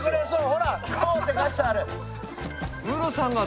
ほら「ＫＯＵ」って書いてある。